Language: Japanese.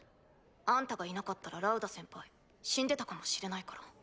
あんたがいなかったらラウダ先輩死んでたかもしれないから。